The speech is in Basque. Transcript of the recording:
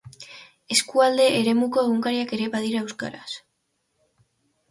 Eskualde eremuko egunkariak ere badira, euskaraz.